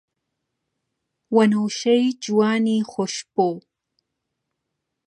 وەنەوشەی جوانی خۆشبۆ